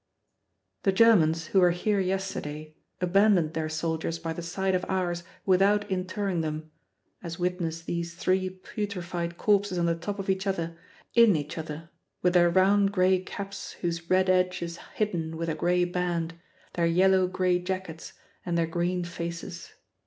The Germans, who were here yesterday, abandoned their soldiers by the side of ours without interring them as witness these three putrefied corpses on the top of each other, in each other, with their round gray caps whose red edge is hidden with a gray band, their yellow gray jackets, and their green faces.